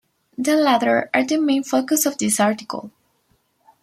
The latter are the main focus of this article.